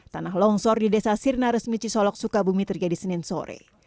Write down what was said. tanah longsor di desa sirna resmi cisolok sukabumi terjadi senin sore